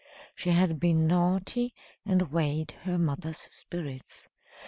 She had been naughty and weighed her mother's spirits.